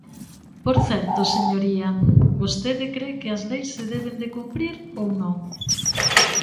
Por certo, señoría, ¿vostede cre que as leis se deben de cumprir ou non?